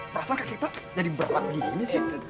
perasaan kakek kita jadi berat begini sih